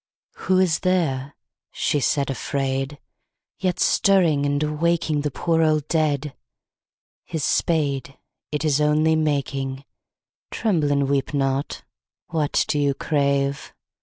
Who is there, she said afraid, yet Stirring and awaking The poor old dead? His spade, it Is only making, — (Tremble and weep not I What do you crave